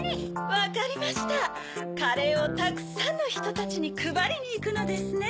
わかりましたカレーをたくさんのひとたちにくばりにいくのですね。